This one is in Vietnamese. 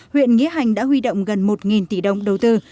huyện nghĩa hành đã huy động gần một tỷ đồng đầu tư